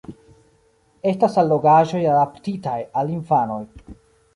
Estas allogaĵoj adaptitaj al infanoj.